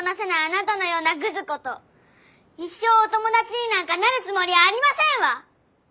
ようなグズ子と一生お友達になんかなるつもりありませんわ！